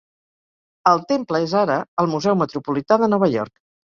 El temple és ara al Museu metropolità de Nova York.